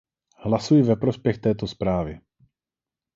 Hlasuji ve prospěch této zprávy.